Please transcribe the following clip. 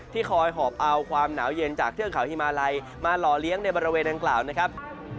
คอยหอบเอาความหนาวเย็นจากเทือกเขาฮิมาลัยมาหล่อเลี้ยงในบริเวณดังกล่าวนะครับ